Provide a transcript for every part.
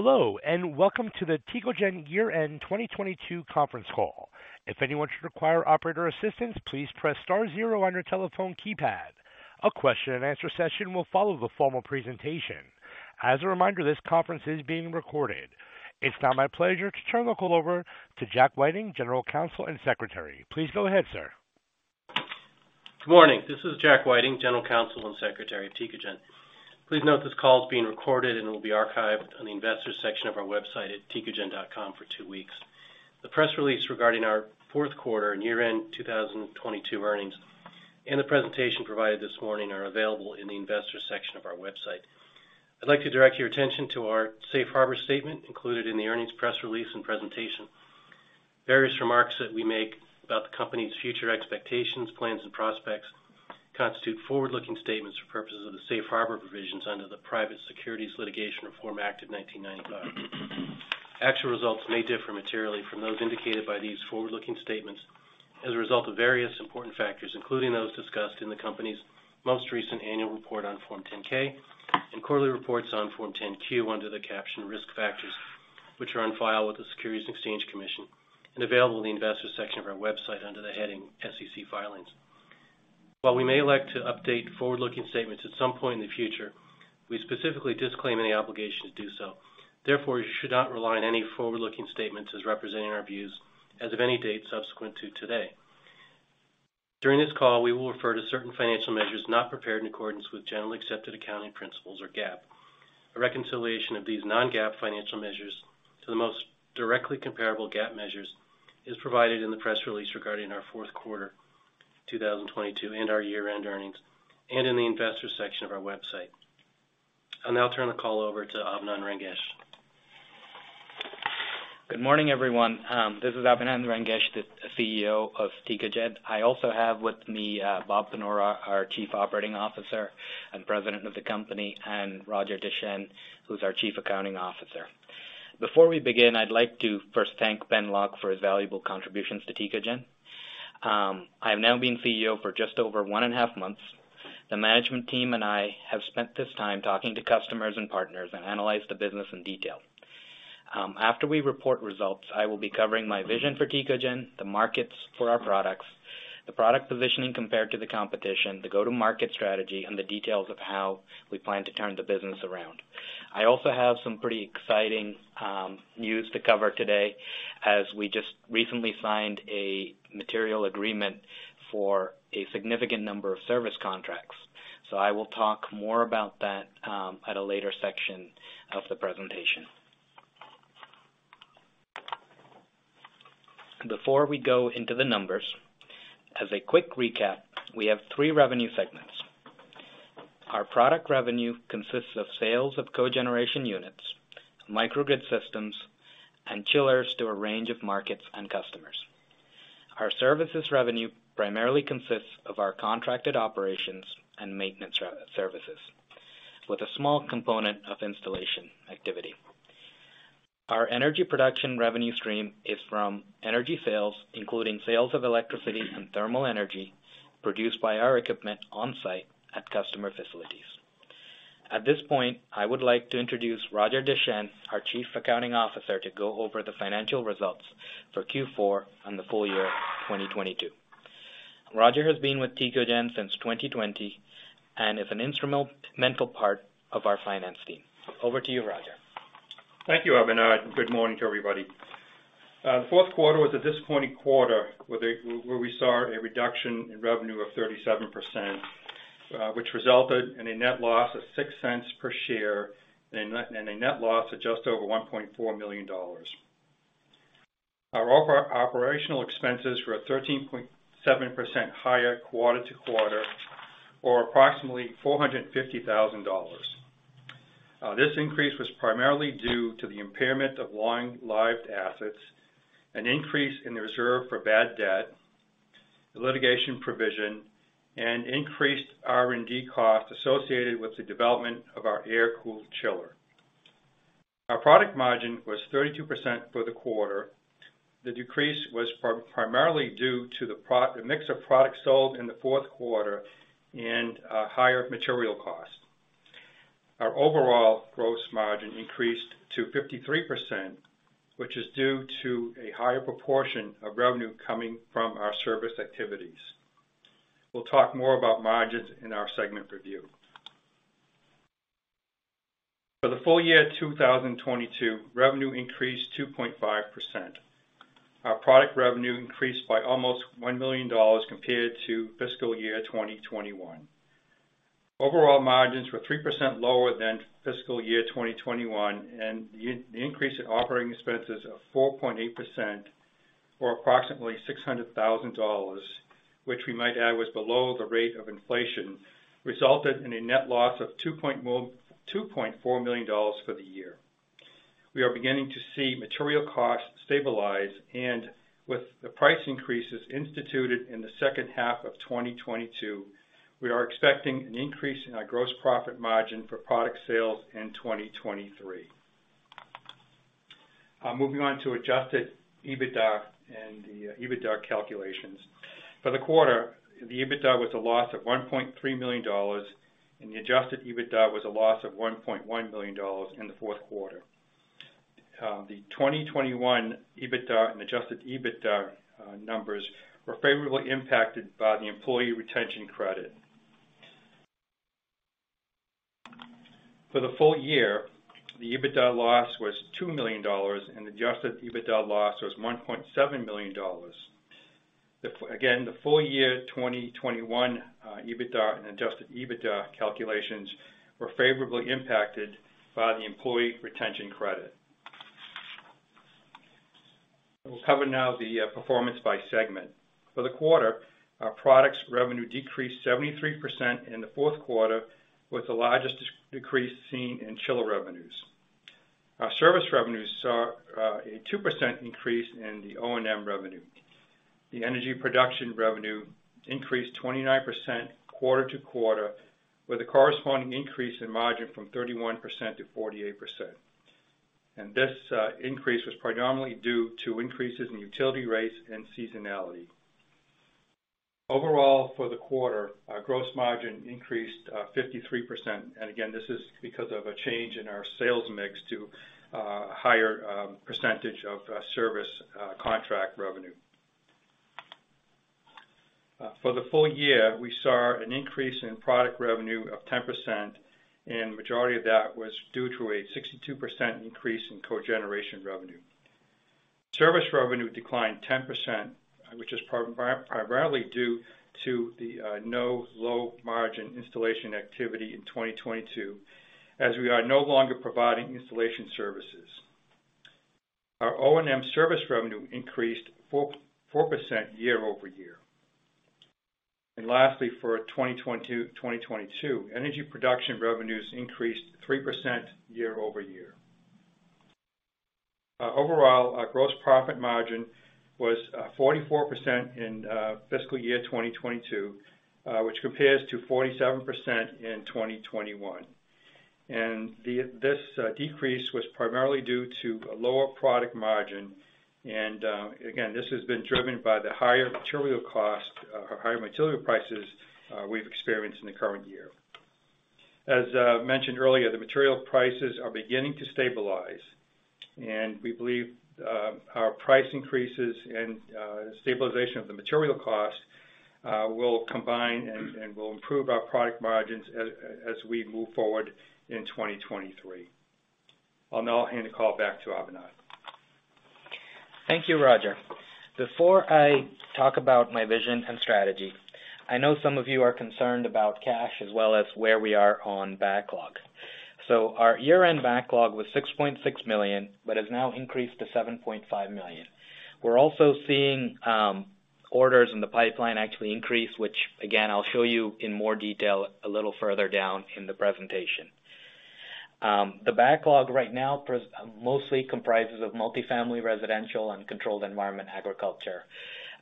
Hello, welcome to the Tecogen Year-end 2022 conference call. If anyone should require operator assistance, please press star zero on your telephone keypad. A question and answer session will follow the formal presentation. As a reminder, this conference is being recorded. It's now my pleasure to turn the call over to Jack Whiting, General Counsel and Secretary. Please go ahead, sir. Good morning. This is Jack Whiting, General Counsel and Secretary of Tecogen. Please note this call is being recorded and will be archived on the investors section of our website at tecogen.com for two weeks. The press release regarding our fourth quarter and year-end 2022 earnings, and the presentation provided this morning are available in the investors section of our website. I'd like to direct your attention to our Safe Harbor statement included in the earnings press release and presentation. Various remarks that we make about the company's future expectations, plans, and prospects constitute forward-looking statements for purposes of the Safe Harbor provisions under the Private Securities Litigation Reform Act of 1995. Actual results may differ materially from those indicated by these forward-looking statements as a result of various important factors, including those discussed in the company's most recent annual report on Form 10-K and quarterly reports on Form 10-Q under the caption Risk Factors, which are on file with the Securities and Exchange Commission and available in the investors section of our website under the heading SEC Filings. While we may like to update forward-looking statements at some point in the future, we specifically disclaim any obligation to do so. Therefore, you should not rely on any forward-looking statements as representing our views as of any date subsequent to today. During this call, we will refer to certain financial measures not prepared in accordance with generally accepted accounting principles, or GAAP. A reconciliation of these non-GAAP financial measures to the most directly comparable GAAP measures is provided in the press release regarding our fourth quarter 2022 and our year-end earnings, and in the investors section of our website. I'll now turn the call over to Abinand Rangesh. Good morning, everyone. This is Abinand Rangesh, the CEO of Tecogen. I also have with me, Bob Panora, our Chief Operating Officer and President of the company, and Roger Deschenes who's our Chief Accounting Officer. Before we begin, I'd like to first thank Benjamin Locke for his valuable contributions to Tecogen. I have now been CEO for just over one and a half months. The management team and I have spent this time talking to customers and partners and analyzed the business in detail. After we report results, I will be covering my vision for Tecogen, the markets for our products, the product positioning compared to the competition, the go-to-market strategy, and the details of how we plan to turn the business around. I also have some pretty exciting news to cover today as we just recently signed a material agreement for a significant number of service contracts. I will talk more about that at a later section of the presentation. Before we go into the numbers, as a quick recap, we have three revenue segments. Our product revenue consists of sales of cogeneration units, microgrid systems, and chillers to a range of markets and customers. Our services revenue primarily consists of our contracted operations and maintenance services with a small component of installation activity. Our energy production revenue stream is from energy sales, including sales of electricity and thermal energy produced by our equipment on-site at customer facilities. At this point I would like to introduce Roger Deschenes, our Chief Accounting Officer, to go over the financial results for Q4 and the full year 2022. Roger has been with Tecogen since 2020 and is an instrumental part of our finance team. Over to you, Roger. Thank you, Abinand, and good morning to everybody. The fourth quarter was a disappointing quarter where we saw a reduction in revenue of 37%, which resulted in a net loss of $0.06 per share and a net loss of just over $1.4 million. Our operational expenses were 13.7% higher quarter-over-quarter, or approximately $450,000. This increase was primarily due to the impairment of long-lived assets, an increase in the reserve for bad debt, the litigation provision, and increased R&D costs associated with the development of our air-cooled chiller. Our product margin was 32% for the quarter. The decrease was primarily due to the mix of products sold in the fourth quarter and higher material costs. Our overall gross margin increased to 53%, which is due to a higher proportion of revenue coming from our service activities. We'll talk more about margins in our segment review. For the full year 2022, revenue increased 2.5%. Our product revenue increased by almost $1 million compared to fiscal year 2021. Overall margins were 3% lower than fiscal year 2021, the increase in operating expenses of 4.8% or approximately $600,000, which we might add was below the rate of inflation, resulted in a net loss of $2.4 million for the year. We are beginning to see material costs stabilize, with the price increases instituted in the second half of 2022, we are expecting an increase in our gross profit margin for product sales in 2023. Moving on to Adjusted EBITDA and the EBITDA calculations. For the quarter, the EBITDA was a loss of $1.3 million, and the Adjusted EBITDA was a loss of $1.1 million in the fourth quarter. The 2021 EBITDA and Adjusted EBITDA numbers were favorably impacted by the Employee Retention Credit. For the full year, the EBITDA loss was $2 million, and Adjusted EBITDA loss was $1.7 million. Again, the full year 2021 EBITDA and Adjusted EBITDA calculations were favorably impacted by the Employee Retention Credit. We'll cover now the performance by segment. For the quarter, our products revenue decreased 73% in the fourth quarter, with the largest decrease seen in chiller revenues. Our service revenues saw a 2% increase in the O&M revenue. The energy production revenue increased 29% quarter to quarter, with a corresponding increase in margin from 31% to 48%. This increase was predominantly due to increases in utility rates and seasonality. Overall, for the quarter, our gross margin increased 53%. Again, this is because of a change in our sales mix to a higher percentage of service contract revenue. For the full year, we saw an increase in product revenue of 10%, majority of that was due to a 62% increase in cogeneration revenue. Service revenue declined 10%, which is primarily due to the no low margin installation activity in 2022, as we are no longer providing installation services. Our O&M service revenue increased 4% year-over-year. Lastly, for 2022, energy production revenues increased 3% year-over-year. Overall, our gross profit margin was 44% in fiscal year 2022, which compares to 47% in 2021. The decrease was primarily due to a lower product margin. Again, this has been driven by the higher material cost or higher material prices we've experienced in the current year. As I've mentioned earlier, the material prices are beginning to stabilize, and we believe, our price increases and stabilization of the material cost, will combine and will improve our product margins as we move forward in 2023. I'll now hand the call back to Abinand. Thank you, Roger. Before I talk about my vision and strategy, I know some of you are concerned about cash as well as where we are on backlog. Our year-end backlog was $6.6 million, but has now increased to $7.5 million. We're also seeing orders in the pipeline actually increase which again, I'll show you in more detail a little further down in the presentation. The backlog right now mostly comprises of multi-family, residential, and controlled environment agriculture.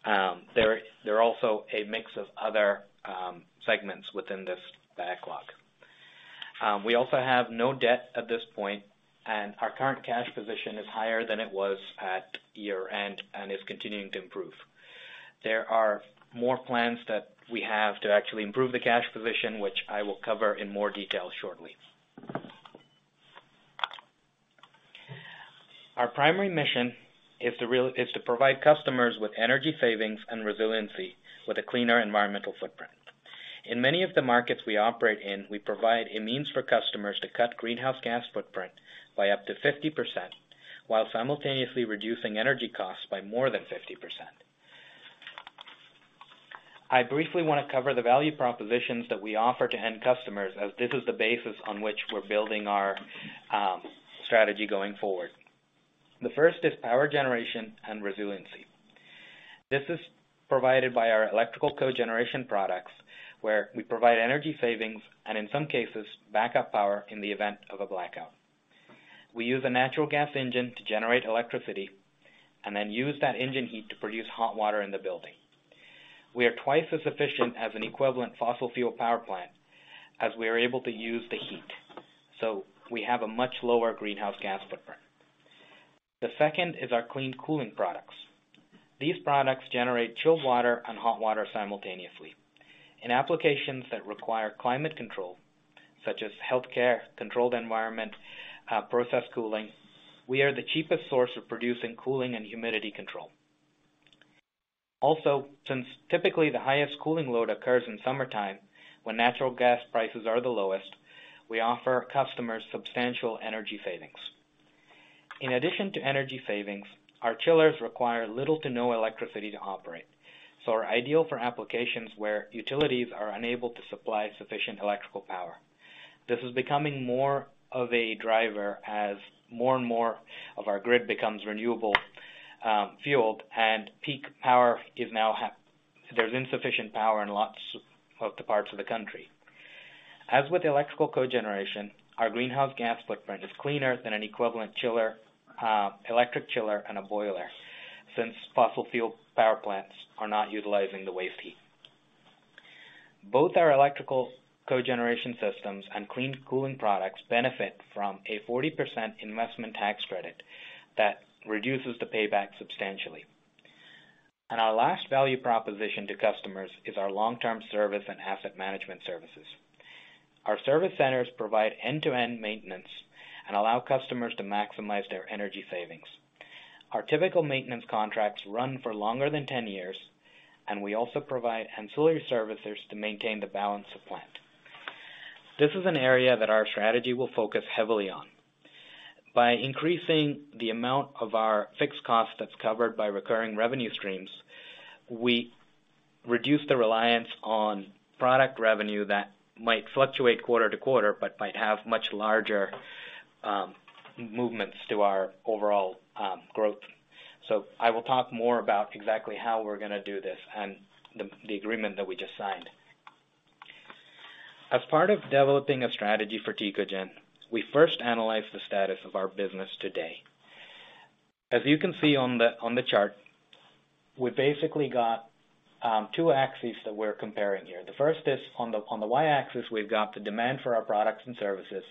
There are also a mix of other segments within this backlog. We also have no debt at this point, and our current cash position is higher than it was at year-end and is continuing to improve. There are more plans that we have to actually improve the cash position, which I will cover in more detail shortly. Our primary mission is to provide customers with energy savings and resiliency with a cleaner environmental footprint. In many of the markets we operate in, we provide a means for customers to cut greenhouse gas footprint by up to 50% while simultaneously reducing energy costs by more than 50%. I briefly wanna cover the value propositions that we offer to end customers as this is the basis on which we're building our strategy going forward. The first is power generation and resiliency. This is provided by our electrical cogeneration products, where we provide energy savings, and in some cases, backup power in the event of a blackout. We use a natural gas engine to generate electricity and then use that engine heat to produce hot water in the building. We are twice as efficient as an equivalent fossil fuel power plant as we are able to use the heat, so we have a much lower greenhouse gas footprint. The second is our Clean Cooling products. These products generate chilled water and hot water simultaneously. In applications that require climate control, such as healthcare, controlled environment, process cooling, we are the cheapest source of producing cooling and humidity control. Since typically the highest cooling load occurs in summertime when natural gas prices are the lowest, we offer customers substantial energy savings. In addition to energy savings, our chillers require little to no electricity to operate, so are ideal for applications where utilities are unable to supply sufficient electrical power. This is becoming more of a driver as more and more of our grid becomes renewable, fueled and peak power is now there's insufficient power in lots of the parts of the country. As with electrical cogeneration, our greenhouse gas footprint is cleaner than an equivalent chiller, electric chiller and a boiler since fossil fuel power plants are not utilizing the waste heat. Both our electrical cogeneration systems and clean cooling products benefit from a 40% investment tax credit that reduces the payback substantially. Our last value proposition to customers is our long-term service and asset management services. Our service centers provide end-to-end maintenance and allow customers to maximize their energy savings. Our typical maintenance contracts run for longer than 10 years, and we also provide ancillary services to maintain the balance of plant. This is an area that our strategy will focus heavily on. By increasing the aMount of our fixed costs that's covered by recurring revenue streams, we reduce the reliance on product revenue that might fluctuate quarter to quarter, but might have much larger movements to our overall growth. I will talk more about exactly how we're gonna do this and the agreement that we just signed. As part of developing a strategy for Tecogen, we first analyzed the status of our business today. As you can see on the chart, we basically got two axes that we're comparing here. The first is on the Y axis, we've got the demand for our products and services.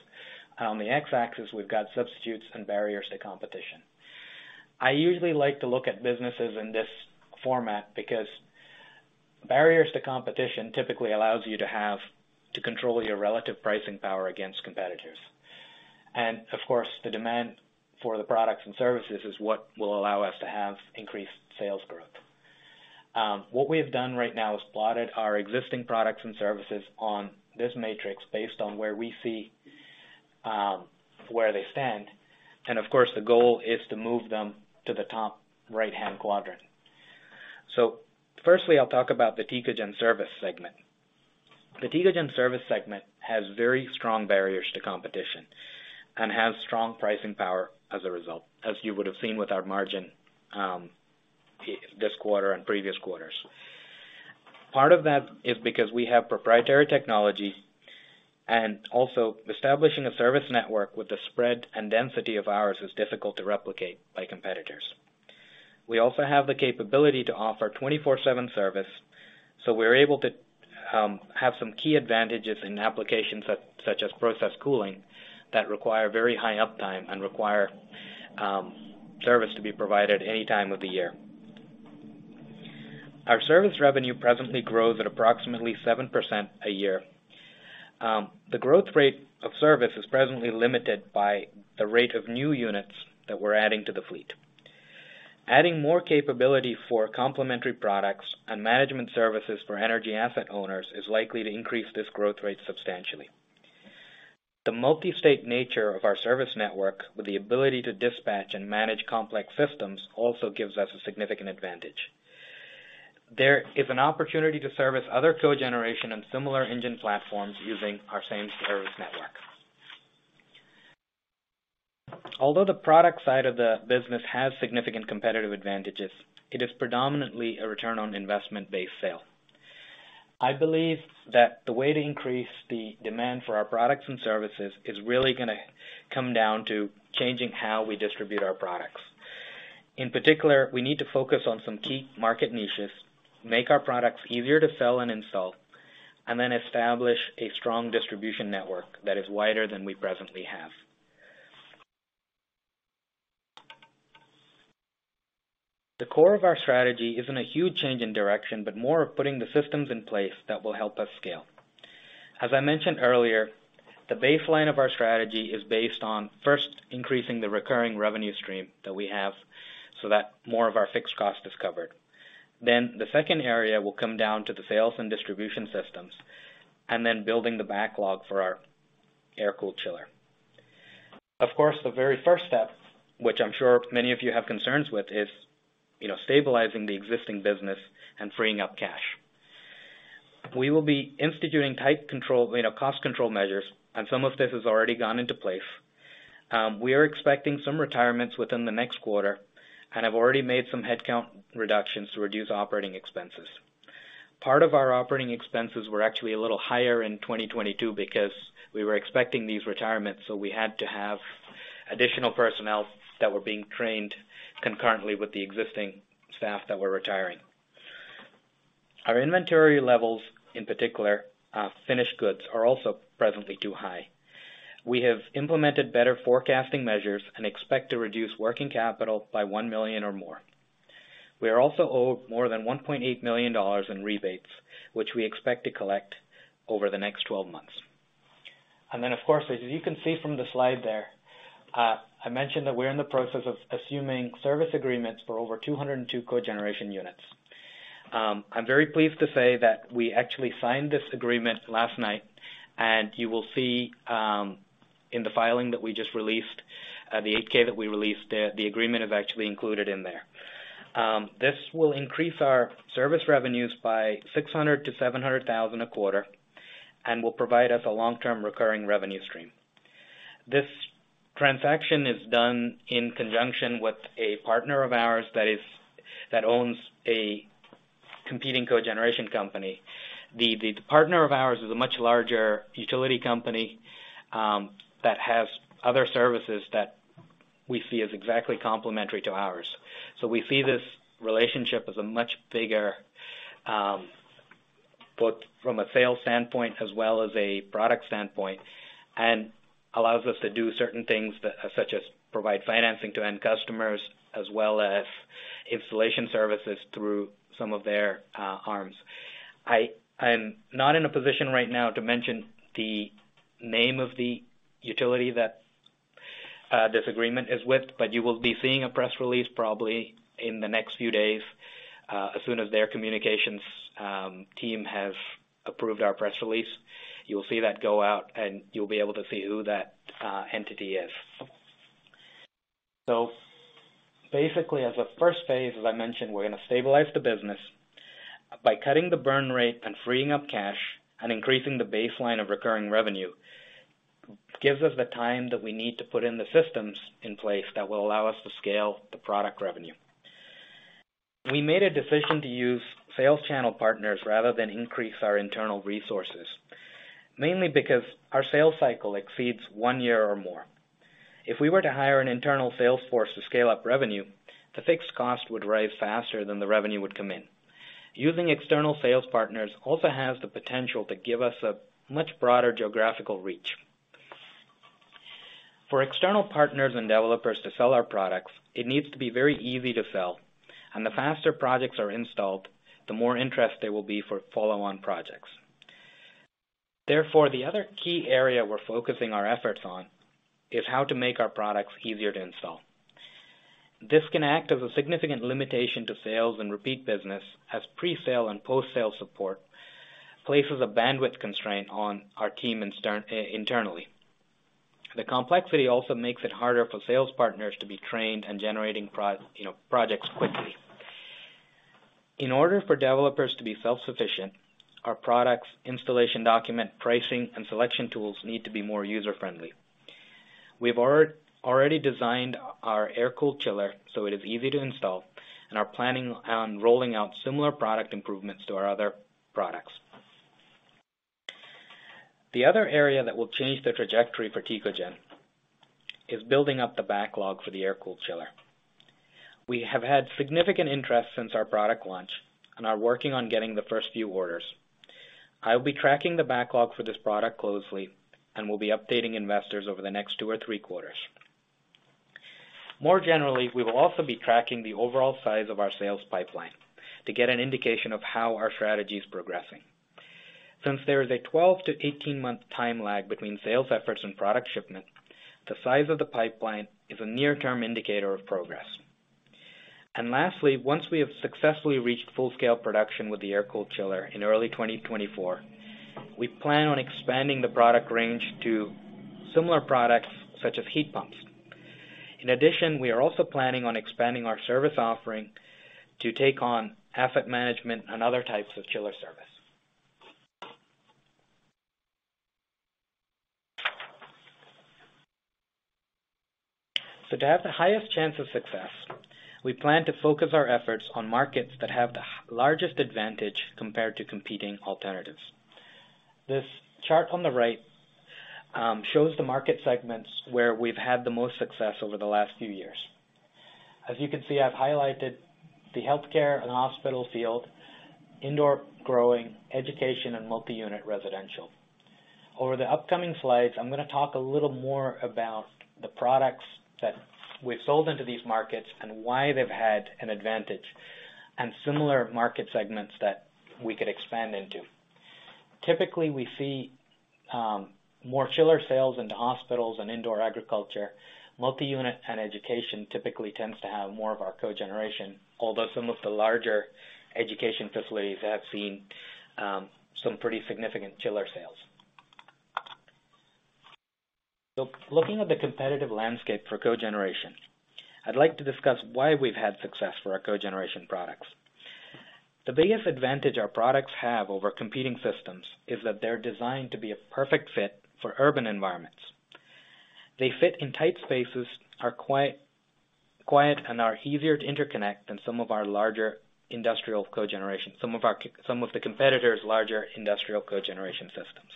On the X axis, we've got substitutes and barriers to competition. I usually like to look at businesses in this format because barriers to competition typically allows you to have to control your relative pricing power against competitors. The demand for the products and services is what will allow us to have increased sales growth. What we have done right now is plotted our existing products and services on this matrix based on where we see, where they stand. The goal is to move them to the top right-hand quadrant. Firstly, I'll talk about the Tecogen service segment. The Tecogen service segment has very strong barriers to competition and has strong pricing power as a result, as you would have seen with our margin, this quarter and previous quarters. Part of that is because we have proprietary technology, and also establishing a service network with the spread and density of ours is difficult to replicate by competitors. We also have the capability to offer 24/7 service, so we're able to have some key advantages in applications such as process cooling that require very high uptime and require service to be provided any time of the year. Our service revenue presently grows at approximately 7% a year. The growth rate of service is presently limited by the rate of new units that we're adding to the fleet. Adding more capability for complementary products and management services for energy asset owners is likely to increase this growth rate substantially. The multi-state nature of our service network with the ability to dispatch and manage complex systems also gives us a significant advantage. There is an opportunity to service other cogeneration and similar engine platforms using our same service network. Although the product side of the business has significant competitive advantages, it is predominantly a return on investment-based sale. I believe that the way to increase the demand for our products and services is really gonna come down to changing how we distribute our products. In particular, we need to focus on some key market niches, make our products easier to sell and install, and then establish a strong distribution network that is wider than we presently have. The core of our strategy isn't a huge change in direction, but more of putting the systems in place that will help us scale. As I mentioned earlier, the baseline of our strategy is based on first increasing the recurring revenue stream that we have so that more of our fixed cost is covered. The second area will come down to the sales and distribution systems, and then building the backlog for our air-cooled chiller. Of course, the very first step, which I'm sure many of you have concerns with, is, you know, stabilizing the existing business and freeing up cash. We will be instituting tight control, you know, cost control measures, and some of this has already gone into place. We are expecting some retirements within the next quarter and have already made some headcount reductions to reduce operating expenses. Part of our operating expenses were actually a little higher in 2022 because we were expecting these retirements, so we had to have additional personnel that were being trained concurrently with the existing staff that were retiring. Our inventory levels, in particular, finished goods, are also presently too high. We have implemented better forecasting measures and expect to reduce working capital by $1 million or more. We are also owed more than $1.8 million in rebates, which we expect to collect over the next 12 months. Of course, as you can see from the slide there, I mentioned that we're in the process of assuming service agreements for over 202 cogeneration units. I'm very pleased to say that we actually signed this agreement last night, and you will see in the filing that we just released, the 8-K that we released, the agreement is actually included in there. This will increase our service revenues by $600,000-$700,000 a quarter and will provide us a long-term recurring revenue stream. This transaction is done in conjunction with a partner of ours that owns a competing cogeneration company. The partner of ours is a much larger utility company that has other services that we see as exactly complementary to ours. We see this relationship as a much bigger, both from a sales standpoint as well as a product standpoint, and allows us to do certain things such as provide financing to end customers as well as installation services through some of their arms. I'm not in a position right now to mention the name of the utility that this agreement is with, but you will be seeing a press release probably in the next few days as soon as their communications team have approved our press release. You will see that go out, and you'll be able to see who that entity is. Basically, as a first phase, as I mentioned, we're gonna stabilize the business by cutting the burn rate and freeing up cash and increasing the baseline of recurring revenue. Gives us the time that we need to put in the systems in place that will allow us to scale the product revenue. We made a decision to use sales channel partners rather than increase our internal resources, mainly because our sales cycle exceeds one year or more. If we were to hire an internal sales force to scale up revenue, the fixed cost would rise faster than the revenue would come in. Using external sales partners also has the potential to give us a much broader geographical reach. For external partners and developers to sell our products, it needs to be very easy to sell. The faster projects are installed, the more interest there will be for follow-on projects. Therefore, the other key area we're focusing our efforts on is how to make our products easier to install. This can act as a significant limitation to sales and repeat business as presale and post-sale support places a bandwidth constraint on our team internally. The complexity also makes it harder for sales partners to be trained in generating, you know, projects quickly. In order for developers to be self-sufficient, our products, installation document, pricing, and selection tools need to be more user-friendly. We've already designed our air-cooled chiller so it is easy to install and are planning on rolling out similar product improvements to our other products. The other area that will change the trajectory for Tecogen is building up the backlog for the air-cooled chiller. We have had significant interest since our product launch and are working on getting the first few orders. I'll be tracking the backlog for this product closely and will be updating investors over the next two or three quarters. More generally, we will also be tracking the overall size of our sales pipeline to get an indication of how our strategy is progressing. Since there is a 12-18 month time lag between sales efforts and product shipment, the size of the pipeline is a near-term indicator of progress. Lastly, once we have successfully reached full-scale production with the air-cooled chiller in early 2024, we plan on expanding the product range to similar products such as heat pumps. In addition, we are also planning on expanding our service offering to take on asset management and other types of chiller service. To have the highest chance of success, we plan to focus our efforts on markets that have the largest advantage compared to competing alternatives. This chart on the right shows the market segments where we've had the most success over the last few years. As you can see, I've highlighted the healthcare and hospital field, indoor growing, education, and multi-unit residential. Over the upcoming slides, I'm gonna talk a little more about the products that we've sold into these markets and why they've had an advantage and similar market segments that we could expand into. Typically, we see more chiller sales into hospitals and indoor agriculture. Multi-unit and education typically tends to have more of our cogeneration, although some of the larger education facilities have seen some pretty significant chiller sales. Looking at the competitive landscape for cogeneration, I'd like to discuss why we've had success for our cogeneration products. The biggest advantage our products have over competing systems is that they're designed to be a perfect fit for urban environments. They fit in tight spaces, are quiet, and are easier to interconnect than some of the competitors' larger industrial cogeneration systems.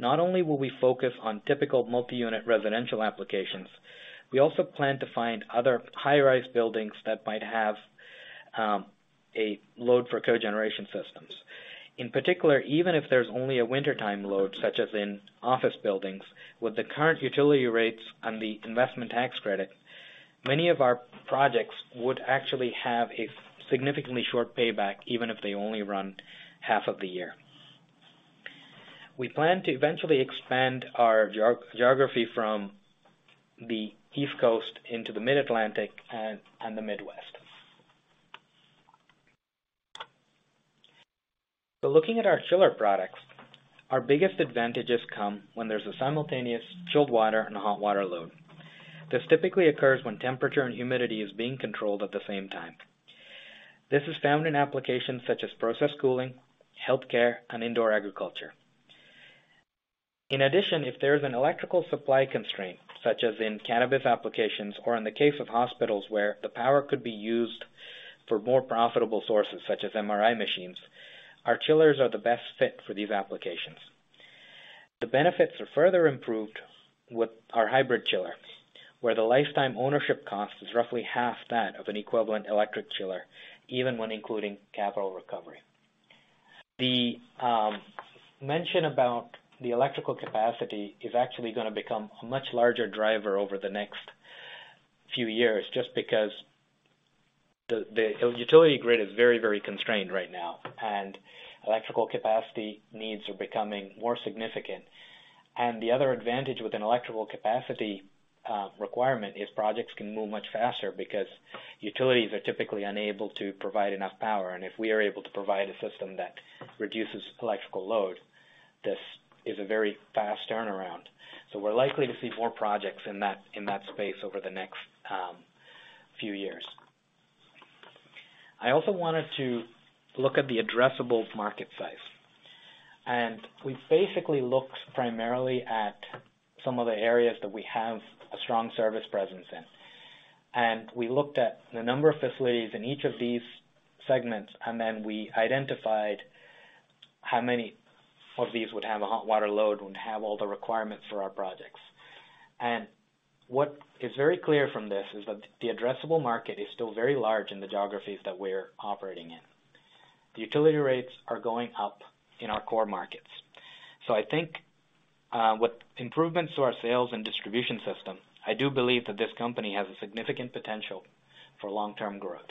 Not only will we focus on typical multi-unit residential applications, we also plan to find other high-rise buildings that might have a load for cogeneration systems. In particular, even if there's only a wintertime load, such as in office buildings, with the current utility rates and the investment tax credit, many of our projects would actually have a significantly short payback even if they only run half of the year. We plan to eventually expand our geography from the East Coast into the Mid-Atlantic and the Midwest. Looking at our chiller products, our biggest advantages come when there's a simultaneous chilled water and hot water load. This typically occurs when temperature and humidity is being controlled at the same time. This is found in applications such as process cooling, healthcare, and indoor agriculture. In addition, if there's an electrical supply constraint, such as in cannabis applications or in the case of hospitals where the power could be used for more profitable sources such as MRI machines, our chillers are the best fit for these applications. The benefits are further improved with our hybrid chiller, where the lifetime ownership cost is roughly half that of an equivalent electric chiller, even when including capital recovery. The mention about the electrical capacity is actually gonna become a much larger driver over the next few years, just because the utility grid is very, very constrained right now, electrical capacity needs are becoming more significant. The other advantage with an electrical capacity requirement is projects can move much faster because utilities are typically unable to provide enough power. If we are able to provide a system that reduces electrical load, this is a very fast turnaround. We're likely to see more projects in that space over the next few years. I also wanted to look at the addressable market size. We basically looked primarily at some of the areas that we have a strong service presence in. We looked at the number of facilities in each of these segments, and then we identified how many of these would have a hot water load, would have all the requirements for our projects. What is very clear from this is that the addressable market is still very large in the geographies that we're operating in. The utility rates are going up in our core markets. I think, with improvements to our sales and distribution system, I do believe that this company has a significant potential for long-term growth.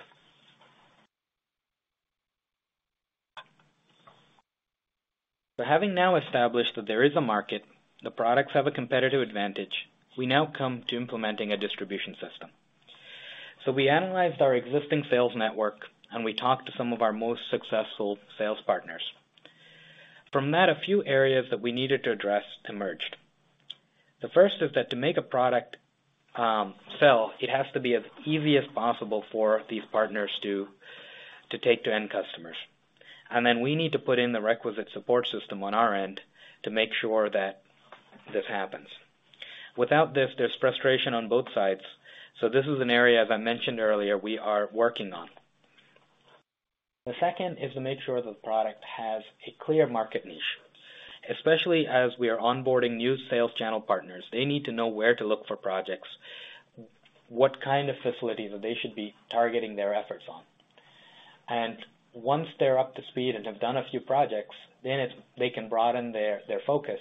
Having now established that there is a market, the products have a competitive advantage, we now come to implementing a distribution system. We analyzed our existing sales network, and we talked to some of our most successful sales partners. From that, a few areas that we needed to address emerged. The first is that to make a product sell, it has to be as easy as possible for these partners to take to end customers. We need to put in the requisite support system on our end to make sure that this happens. Without this, there's frustration on both sides, so this is an area, as I mentioned earlier, we are working on. The second is to make sure the product has a clear market niche, especially as we are onboarding new sales channel partners. They need to know where to look for projects, what kind of facilities that they should be targeting their efforts on. Once they're up to speed and have done a few projects, they can broaden their focus.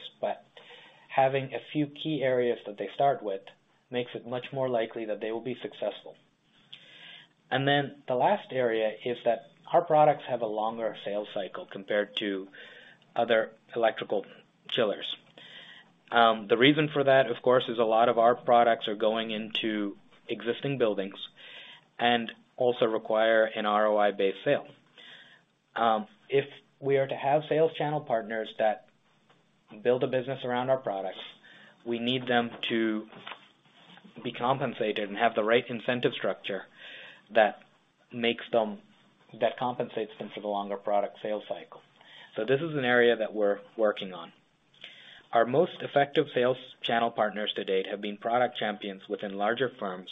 Having a few key areas that they start with makes it much more likely that they will be successful. The last area is that our products have a longer sales cycle compared to other electrical chillers. The reason for that, of course, is a lot of our products are going into existing buildings and also require an ROI-based sale. If we are to have sales channel partners that build a business around our products, we need them to be compensated and have the right incentive structure that makes them that compensates them for the longer product sales cycle. This is an area that we're working on. Our most effective sales channel partners to date have been product champions within larger firms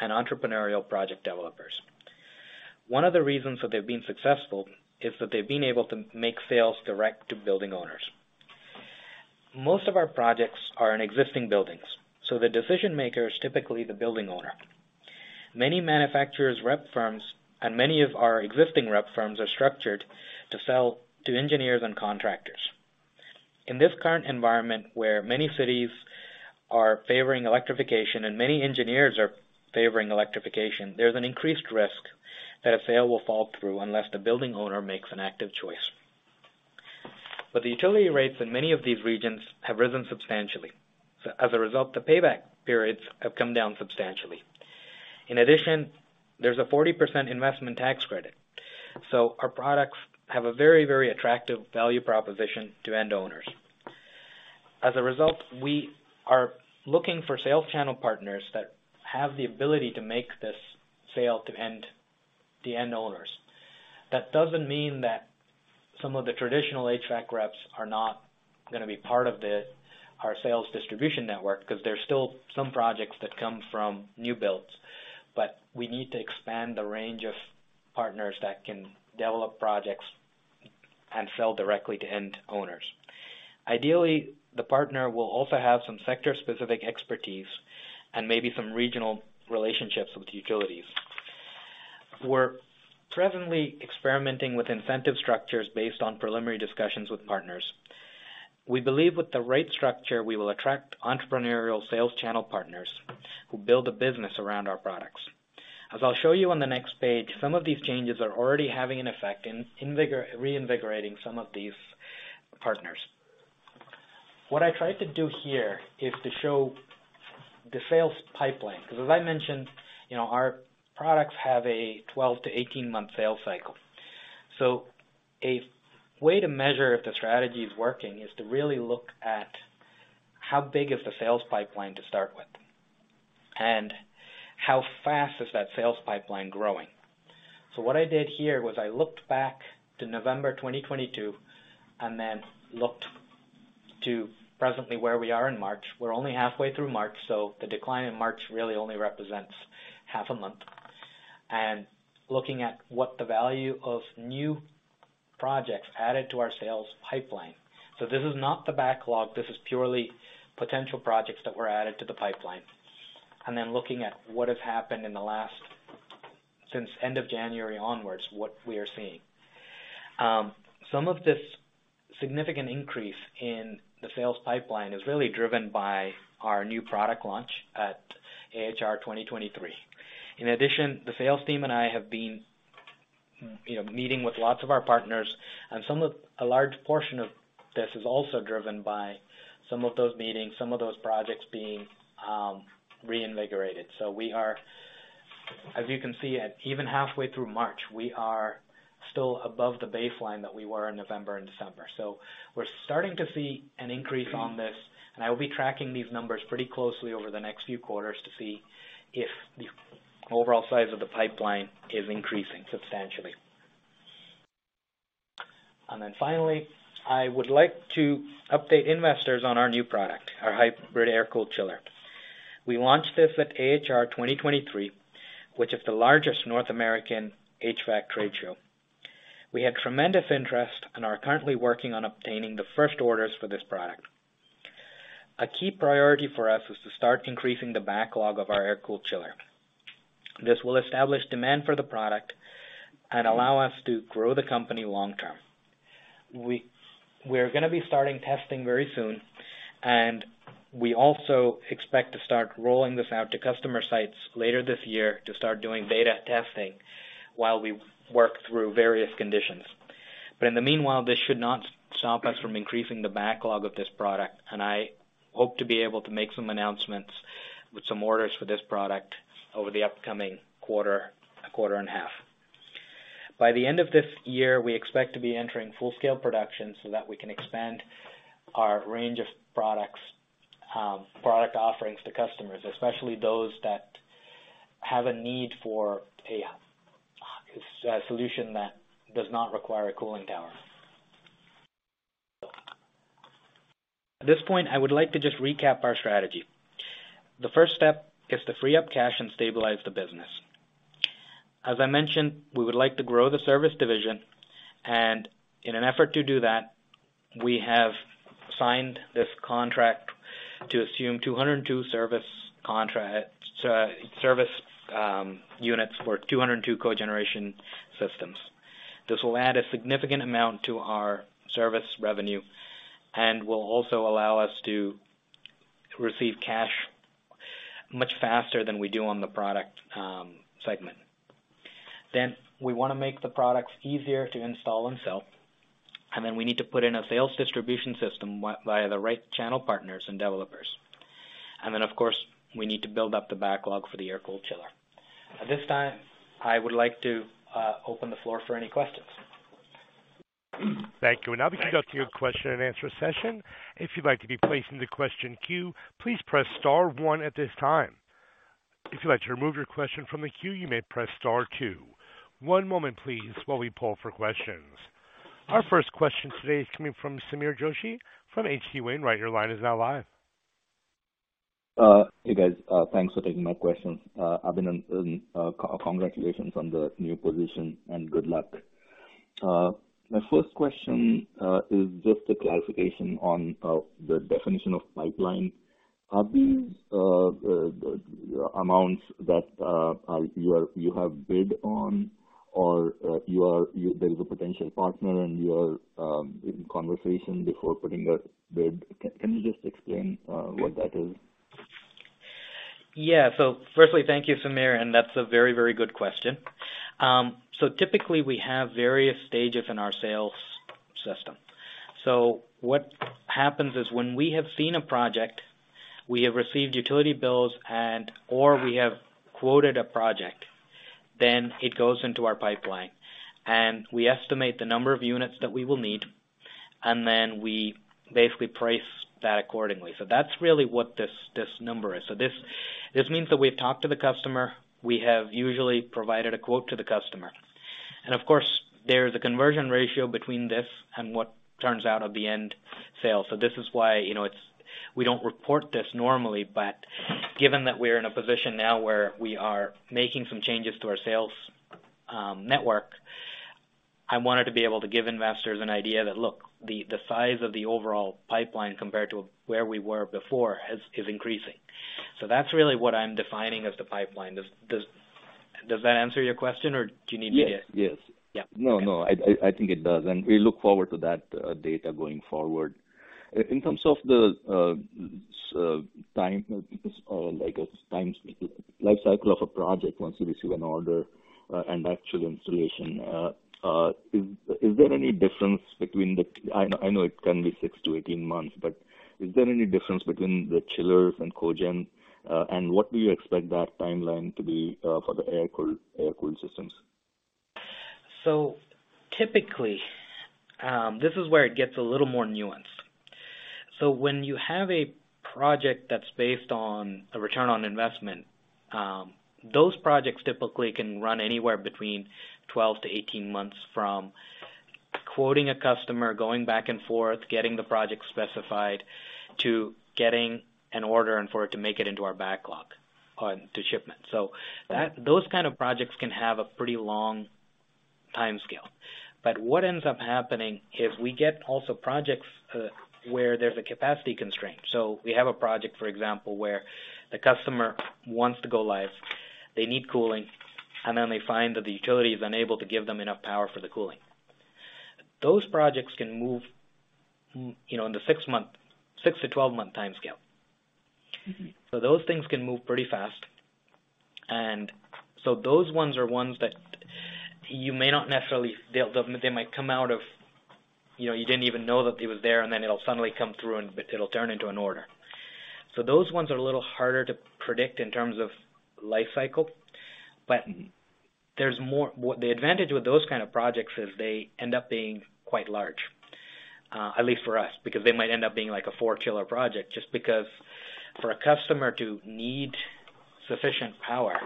and entrepreneurial project developers. One of the reasons that they've been successful is that they've been able to make sales direct to building owners. Most of our projects are in existing buildings, so the decision maker is typically the building owner. Many manufacturers' rep firms and many of our existing rep firms are structured to sell to engineers and contractors. In this current environment, where many cities are favoring electrification and many engineers are favoring electrification, there's an increased risk that a sale will fall through unless the building owner makes an active choice. The utility rates in many of these regions have risen substantially. As a result, the payback periods have come down substantially. In addition, there's a 40% investment tax credit. Our products have a very, very attractive value proposition to end owners. As a result, we are looking for sales channel partners that have the ability to make this sale to the end owners. That doesn't mean that some of the traditional [HVAC] reps are not gonna be part of the our sales distribution network, 'cause there's still some projects that come from new builds. We need to expand the range of partners that can develop projects and sell directly to end owners. Ideally, the partner will also have some sector-specific expertise and maybe some regional relationships with utilities. We're presently experimenting with incentive structures based on preliminary discussions with partners. We believe with the right structure, we will attract entrepreneurial sales channel partners who build a business around our products. As I'll show you on the next page, some of these changes are already having an effect in reinvigorating some of these partners. What I tried to do here is to show the sales pipeline, 'cause as I mentioned, you know, our products have a 12-18 month sales cycle. A way to measure if the strategy is working is to really look at how big is the sales pipeline to start with, and how fast is that sales pipeline growing. What I did here was I looked back to November 2022 and then presently where we are in March. We're only halfway through March, the decline in March really only represents half a month. Looking at what the value of new projects added to our sales pipeline. This is not the backlog, this is purely potential projects that were added to the pipeline. Looking at what has happened since end of January onwards, what we are seeing. Some of this significant increase in the sales pipeline is really driven by our new product launch at AHR 2023. In addition, the sales team and I have been, you know, meeting with lots of our partners and a large portion of this is also driven by some of those meetings, some of those projects being reinvigorated. We are, as you can see, at even halfway through March, we are still above the baseline that we were in November and December. We're starting to see an increase on this, and I will be tracking these numbers pretty closely over the next few quarters to see if the overall size of the pipeline is increasing substantially. Then finally, I would like to update investors on our new poduct, our Hybrid Air-Cooled Chiller. We launched this at AHR 2023, which is the largest North American HVAC trade show. We had tremendous interest and are currently working on obtaining the first orders for this product. A key priority for us is to start increasing the backlog of our air-cooled chiller. This will establish demand for the product and allow us to grow the company long term. We're gonna be starting testing very soon, and we also expect to start rolling this out to customer sites later this year to start doing beta testing while we work through various conditions. In the meanwhile, this should not stop us from increasing the backlog of this product. I hope to be able to make some announcements with some orders for this product over the upcoming quarter, a quarter and half. By the end of this year, we expect to be entering full-scale production so that we can expand our range of products, product offerings to customers, especially those that have a need for a solution that does not require a cooling tower. At this point, I would like to just recap our strategy. The first step is to free up cash and stabilize the business. As I mentioned, we would like to grow the service division, and in an effort to do that, we have signed this contract to assume 202 service units for 202 cogeneration systems. This will add a significant amount to our service revenue and will also allow us to receive cash much faster than we do on the product segment. We want to make the products easier to install and sell. We need to put in a sales distribution system via the right channel partners and developers. Of course, we need to build up the backlog for the Air-Cooled Chiller. At this time, I would like to open the floor for any questions. Thank you. We'll now be conducting a question and answer session. If you'd like to be placed in the question queue, please press star one at this time. If you'd like to remove your question from the queue, you may press star two. One moment please, while we poll for questions. Our first question today is coming from Sameer Joshi from H.C. Wainwright. Your line is now live. Hey, guys, thanks for taking my questions. Abinand, congratulations on the new position and good luck. My first question is just a clarification on the definition of pipeline. Are these amounts that you have bid on or there is a potential partner and you are in conversation before putting a bid? Can you just explain what that is? Firstly, thank you, Sameer, and that's a very, very good question. Typically we have various stages in our sales system. What happens is when we have seen a project, we have received utility bills and, or we have quoted a project, then it goes into our pipeline, and we estimate the number of units that we will need. Then we basically price that accordingly. That's really what this number is. This means that we've talked to the customer. We have usually provided a quote to the customer. Of course, there is a conversion ratio between this and what turns out at the end sale. This is why, you know, we don't report this normally, but given that we're in a position now where we are making some changes to our sales network, I wanted to be able to give investors an idea that, look, the size of the overall pipeline compared to where we were before is increasing. That's really what I'm defining as the pipeline. Does that answer your question or do you need me to? Yes. Yes. Yeah. No, no, I think it does. And we look forward to that data going forward. In terms of the time or like a time life cycle of a project once you receive an order and actual installation, is there any difference between the... I know it can be six to 18 months, but is there any difference between the chillers and cogen, and what do you expect that timeline to be for the air-cooled systems? Typically, this is where it gets a little more nuanced. When you have a project that's based on a ROI, those projects typically can run anywhere between 12-18 months from quoting a customer, going back and forth, getting the project specified, to getting an order and for it to make it into our backlog, to shipment. Those kind of projects can have a pretty long timescale. What ends up happening is we get also projects where there's a capacity constraint. We have a project, for example, where the customer wants to go live, they need cooling, and then they find that the utility is unable to give them enough power for the cooling. Those projects can move, you know, in the 6 to 12 month timescale. Mm-hmm. Those things can move pretty fast. Those ones are ones that you may not necessarily, they might come out of. You know, you didn't even know that it was there, and then it'll suddenly come through and it'll turn into an order. Those ones are a little harder to predict in terms of life cycle. The advantage with those kind of projects is they end up being quite large, at least for us, because they might end up being like a four chiller project, just because for a customer to need sufficient power,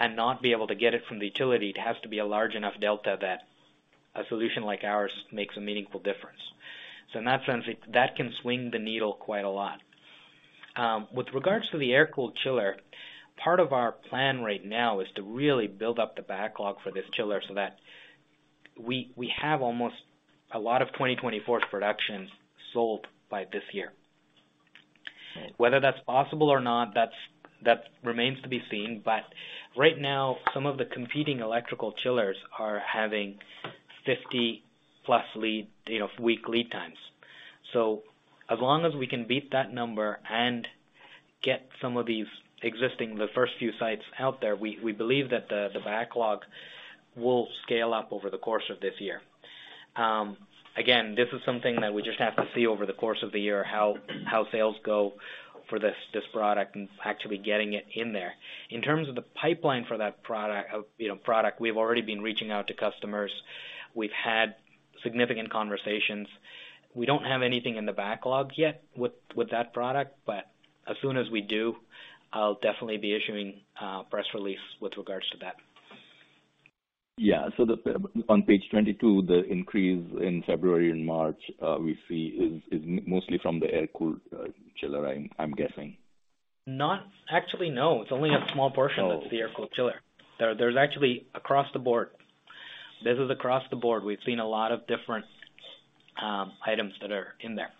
and not be able to get it from the utility, it has to be a large enough delta that a solution like ours makes a meaningful difference. In that sense, that can swing the needle quite a lot. With regards to the air-cooled chiller, part of our plan right now is to really build up the backlog for this chiller so that we have almost a lot of 2024's production sold by this year. Right. Whether that's possible or not, that remains to be seen. Right now, some of the competing electrical chillers are having 50-plus lead, you know, week lead times. As long as we can beat that number and get some of these existing, the first few sites out there, we believe that the backlog will scale up over the course of this year. Again, this is something that we just have to see over the course of the year, how sales go for this product and actually getting it in there. In terms of the pipeline for that product, we've already been reaching out to customers. We've had significant conversations. We don't have anything in the backlog yet with that product. As soon as we do, I'll definitely be issuing a press release with regards to that. Yeah. On page 22, the increase in February and March, we see is mostly from the air-cooled chiller, I'm guessing. Actually, no. It's only a small portion. Oh. That's the air-cooled chiller. There's actually across the board. This is across the board. We've seen a lot of different items that are in there.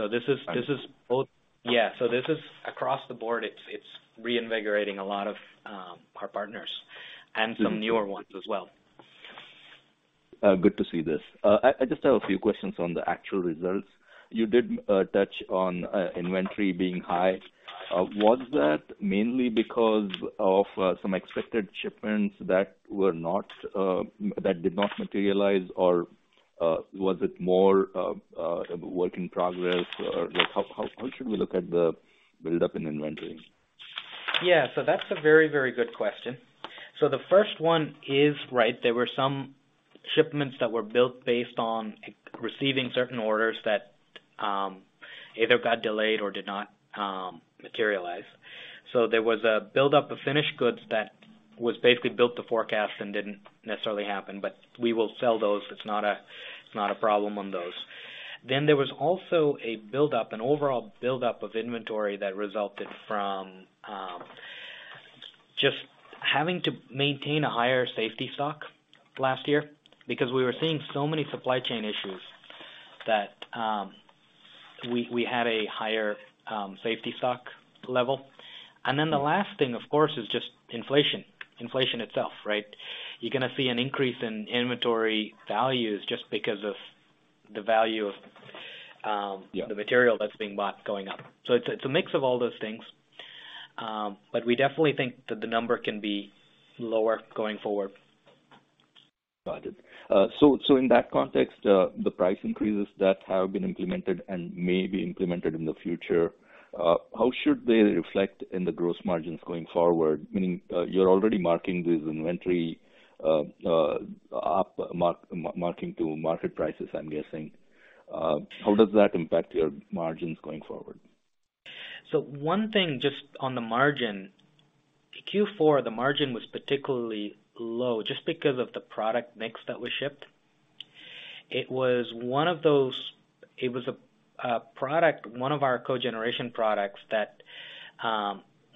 Okay. Yeah. This is across the board. It's reinvigorating a lot of our partners and some newer ones as well. Good to see this. I just have a few questions on the actual results. You did touch on inventory being high. Was that mainly because of some expected shipments that were not that did not materialize? Or was it more work in progress? Or like how should we look at the buildup in inventory? Yeah. That's a very, very good question. The first one is, right, there were some shipments that were built based on receiving certain orders that either got delayed or did not materialize. There was a buildup of finished goods that was basically built to forecast and didn't necessarily happen. We will sell those. It's not a problem on those. There was also a buildup, an overall buildup of inventory that resulted from just having to maintain a higher safety stock last year because we were seeing so many supply chain issues that we had a higher safety stock level. The last thing, of course, is just inflation itself, right? You're gonna see an increase in inventory values just because of the value of the material that's being bought going up. It's a mix of all those things. We definitely think that the number can be lower going forward. Got it. In that context, the price increases that have been implemented and may be implemented in the future, how should they reflect in the gross margins going forward? Meaning, you're already marking this inventory, up marketing to market prices, I'm guessing. How does that impact your margins going forward? One thing just on the margin. Q4, the margin was particularly low just because of the product mix that was shipped. It was a product, one of our cogeneration products that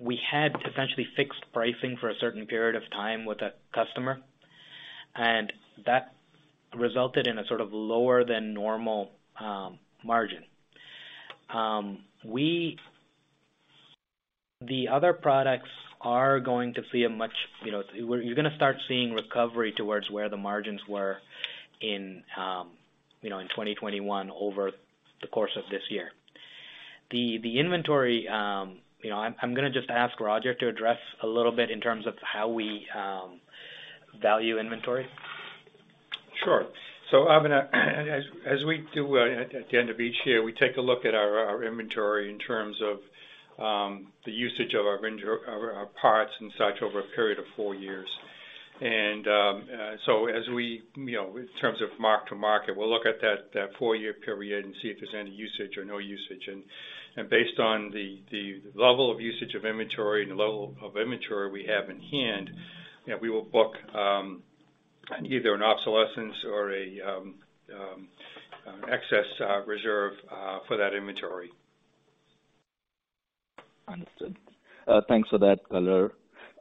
we had essentially fixed pricing for a certain period of time with a customer, and that resulted in a sort of lower than normal margin. The other products are going to see a much, you know, You're gonna start seeing recovery towards where the margins were in, you know, in 2021 over the course of this year. The inventory, you know, I'm gonna just ask Roger to address a little bit in terms of how we value inventory. Sure. Abinand, as we do at the end of each year, we take a look at our inventory in terms of the usage of our vendor, our parts and such over a period of 4 years. As we, you know, in terms of mark to market, we'll look at that four year period and see if there's any usage or no usage. Based on the level of usage of inventory and the level of inventory we have in hand, we will book either an obsolescence or an excess reserve for that inventory. Understood. Thanks for that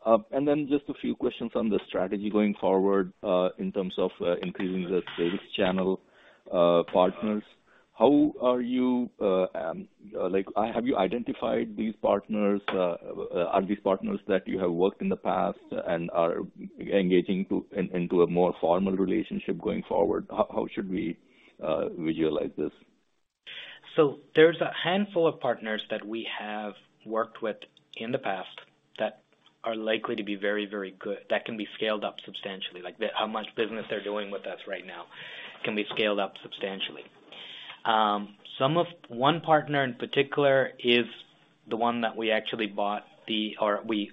color. Then just a few questions on the strategy going forward, in terms of increasing the sales channel partners. How are you, like, have you identified these partners? Are these partners that you have worked in the past and are engaging into a more formal relationship going forward? How should we visualize this? There's a handful of partners that we have worked with in the past that are likely to be very, very good, that can be scaled up substantially. How much business they're doing with us right now can be scaled up substantially. One partner in particular is the one that we actually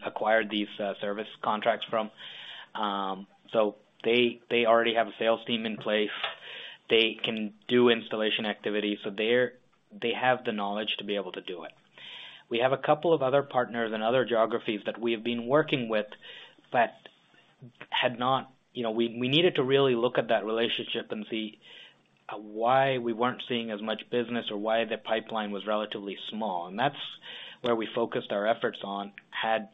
acquired these service contracts from. They already have a sales team in place. They can do installation activities. They have the knowledge to be able to do it. We have a couple of other partners in other geographies that we have been working with. You know, we needed to really look at that relationship and see why we weren't seeing as much business or why the pipeline was relatively small. That's where we focused our efforts on. Had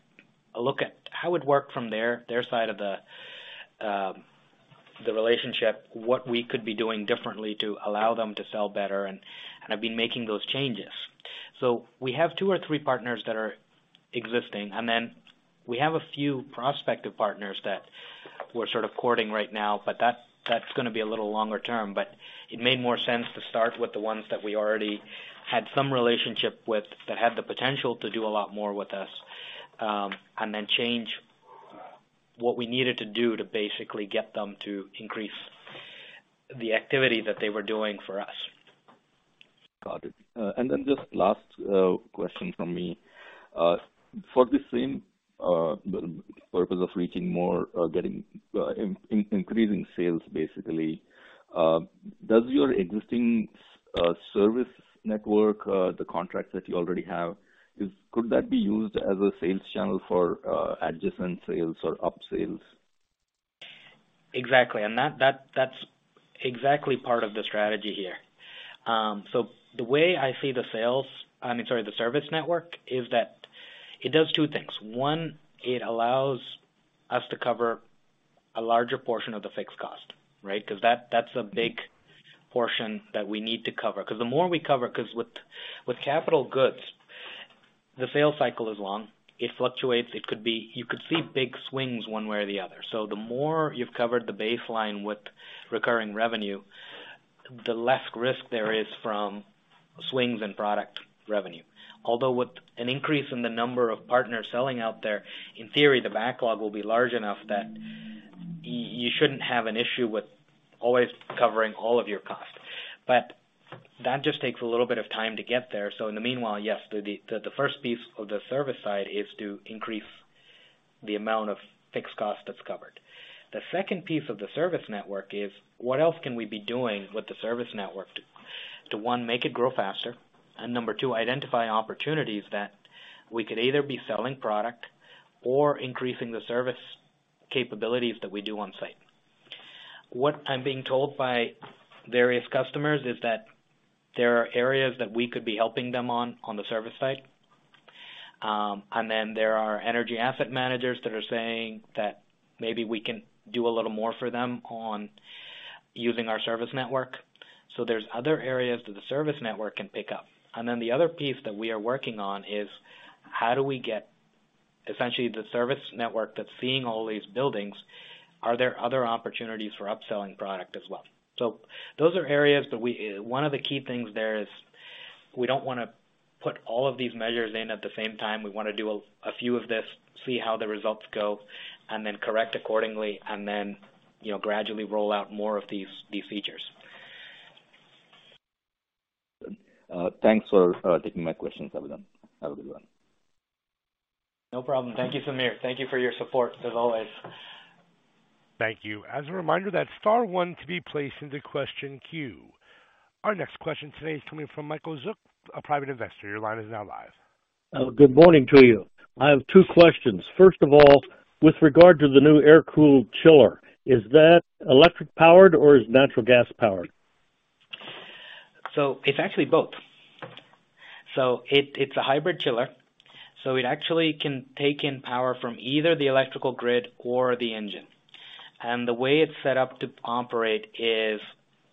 a look at how it worked from their side of the relationship, what we could be doing differently to allow them to sell better, and have been making those changes. We have two or three partners that are existing, and then we have a few prospective partners that we're sort of courting right now, but that's gonna be a little longer term. It made more sense to start with the ones that we already had some relationship with that had the potential to do a lot more with us, and then change what we needed to do to basically get them to increase the activity that they were doing for us. Got it. Then just last question from me. For the same purpose of reaching more or getting increasing sales, basically, does your existing service network, the contracts that you already have, could that be used as a sales channel for adjacent sales or up sales? Exactly. That's exactly part of the strategy here. The way I see the sales, I mean, sorry, the service network is that it does two things. One, it allows us to cover a larger portion of the fixed cost, right? 'Cause that's a big portion that we need to cover. 'Cause the more we cover, with capital goods, the sales cycle is long. It fluctuates. You could see big swings one way or the other. The more you've covered the baseline with recurring revenue, the less risk there is from swings in product revenue. With an increase in the number of partners selling out there, in theory, the backlog will be large enough that you shouldn't have an issue with always covering all of your costs. That just takes a little bit of time to get there. In the meanwhile, yes, the first piece of the service side is to increase the amount of fixed cost that's covered. The second piece of the service network is what else can we be doing with the service network to, one, make it grow faster, and number two, identify opportunities that we could either be selling product or increasing the service capabilities that we do on-site. What I'm being told by various customers is that there are areas that we could be helping them on the service side. There are energy asset managers that are saying that maybe we can do a little more for them on using our service network. There's other areas that the service network can pick up. The other piece that we are working on is how do we get essentially the service network that's seeing all these buildings, are there other opportunities for upselling product as well? Those are areas that we. One of the key things there is we don't wanna put all of these measures in at the same time. We wanna do a few of this, see how the results go, then correct accordingly, then, you know, gradually roll out more of these features. Thanks for taking my questions, Abinand. Have a good one. No problem. Thank you, Samir. Thank you for your support, as always. Thank you. As a reminder, that's star one to be placed into question queue. Our next question today is coming from Michael Zuk, a private investor. Your line is now live. Good morning to you. I have two questions. First of all, with regard to the new air-cooled chiller, is that electric-powered or is natural gas-powered? It's actually both. It's a hybrid chiller, so it actually can take in power from either the electrical grid or the engine. The way it's set up to operate is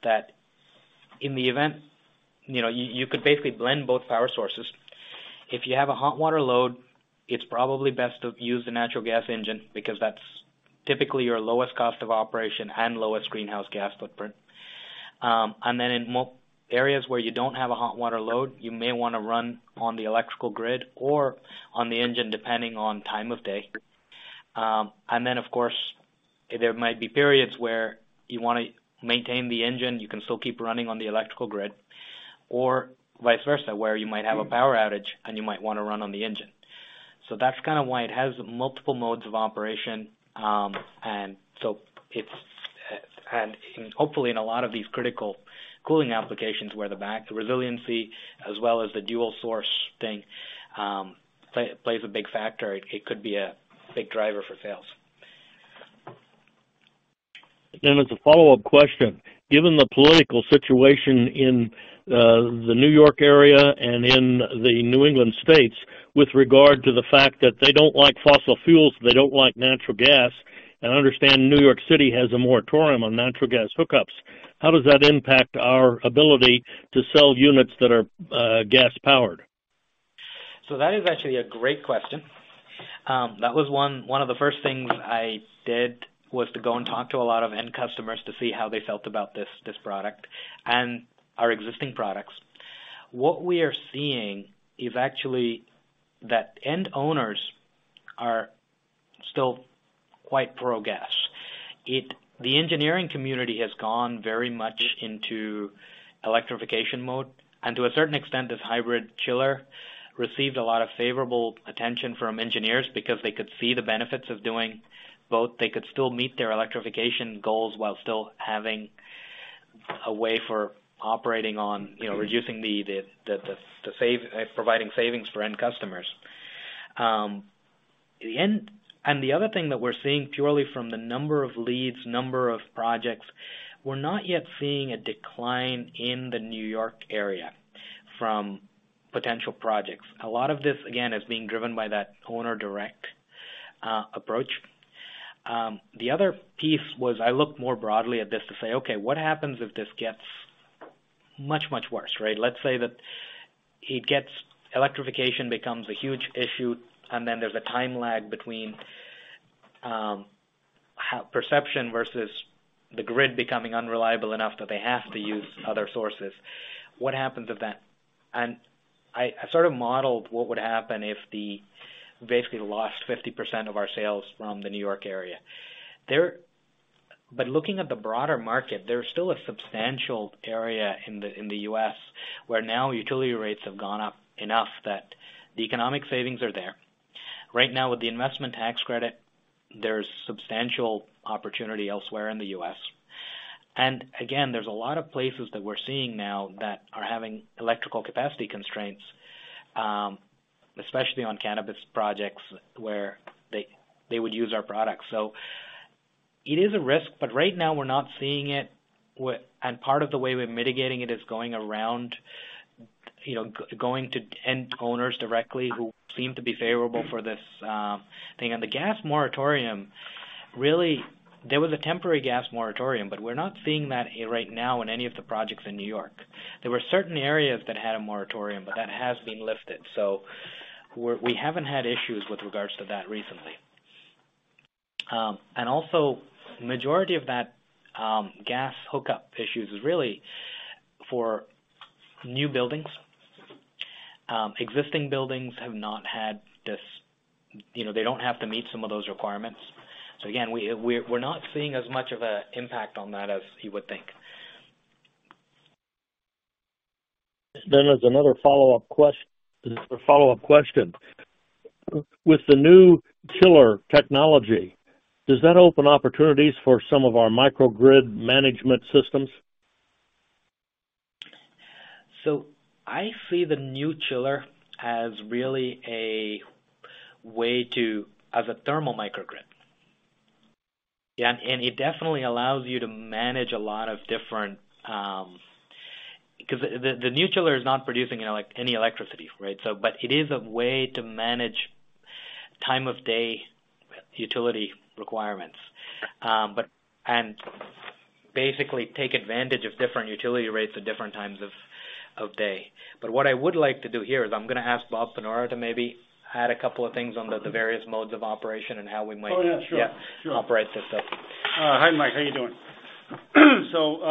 that in the event, you know, you could basically blend both power sources. If you have a hot water load, it's probably best to use the natural gas engine because that's typically your lowest cost of operation and lowest greenhouse gas footprint. In areas where you don't have a hot water load, you may wanna run on the electrical grid or on the engine, depending on time of day. Of course, there might be periods where you wanna maintain the engine, you can still keep running on the electrical grid. Or vice versa, where you might have a power outage and you might wanna run on the engine. That's kind of why it has multiple modes of operation. Hopefully in a lot of these critical cooling applications where the back resiliency as well as the dual source thing, plays a big factor, it could be a big driver or sales. As a follow-up question, given the political situation in the New York area and in the New England states with regard to the fact that they don't like fossil fuels, they don't like natural gas, and I understand New York City has a moratorium on natural gas hookups, how does that impact our ability to sell units that are gas-powered? That is actually a great question. That was one of the first things I did, was to go and talk to a lot of end customers to see how they felt about this product and our existing products. What we are seeing is actually that end owners are still quite pro-gas. The engineering community has gone very much into electrification mode, and to a certain extent, this hybrid chiller received a lot of favorable attention from engineers because they could see the benefits of doing both. They could still meet their electrification goals while still having a way for operating on, you know, reducing the providing savings for end customers. The other thing that we're seeing purely from the number of leads, number of projects, we're not yet seeing a decline in the New York area from potential projects. A lot of this again is being driven by that owner direct approach. The other piece was I looked more broadly at this to say, okay, what happens if this gets much worse, right? Let's say that electrification becomes a huge issue, and then there's a time lag between how perception versus the grid becoming unreliable enough that they have to use other sources. What happens with that? I sort of modeled what would happen if basically lost 50% of our sales from the New York area. Looking at the broader market, there's still a substantial area in the U.S. where now utility rates have gone up enough that the economic savings are there. Right now with the investment tax credit, there's substantial opportunity elsewhere in the U.S. There's a lot of places that we're seeing now that are having electrical capacity constraints, especially on cannabis projects where they would use our products. It is a risk, but right now we're not seeing it. Part of the way we're mitigating it is going around, you know, going to end owners directly who seem to be favorable for this thing. The gas moratorium, really, there was a temporary gas moratorium, but we're not seeing that right now in any of the projects in New York. There were certain areas that had a moratorium, but that has been lifted. We haven't had issues with regards to that recently. Also, majority of that gas hookup issues is really for new buildings. Existing buildings have not had this, you know, they don't have to meet some of those requirements. Again, we're not seeing as much of a impact on that as you would think. There's a follow-up question. With the new chiller technology, does that open opportunities for some of our Microgrid management systems? I see the new chiller as really a way to as a thermal microgrid. Yeah, it definitely allows you to manage a lot of different. Cause the new chiller is not producing any electricity, right? But it is a way to manage time of day utility requirements. But and basically take advantage of different utility rates at different times of day. What I would like to do here is I'm gonna ask Bob Panora to maybe add a couple of things on the various modes of operation and how we might. Oh, yeah. Sure. Operate the system. Hi, Mike. How are you doing?